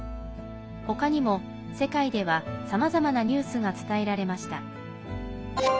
ほかにも、世界ではさまざまなニュースが伝えられました。